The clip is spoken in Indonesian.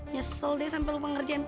nyesel deh sampe lupa ngerjain pr